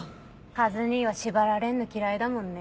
カズ兄は縛られんの嫌いだもんね。